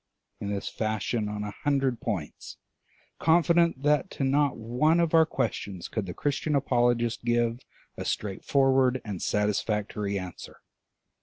in this fashion on a hundred points, confident that to not one of our questions could the Christian apologist give a straightforward and satisfactory answer.